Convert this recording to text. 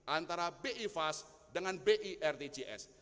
antara bi fast dengan bi rtgs